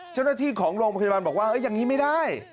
เจ้าหน้าที่ของโรงพยาบาลบอกว่าอย่างนี้ไม่ได้